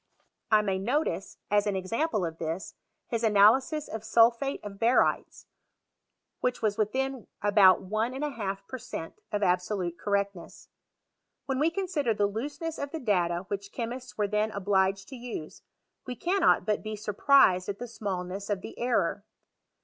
I may no I tice, as an example of this, his analysis of solphate of barytes, whicii was within about one and a half per cent, of absolute correctness. When we consider the looseness of the data which chemists were then obliged to use, we cannot but be surprised at the smailness of the error.